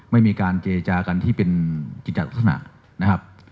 ไม่มีการเจจากันที่เป็นกิจจากลักษณะนะครับ